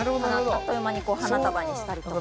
あっという間に花束にしたりとか。